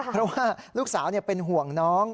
เพราะว่าลูกสาวเป็นห่วงน้อง